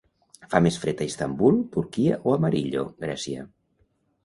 Fa més fred a Istanbul, Turquia o Amarillo, Grècia?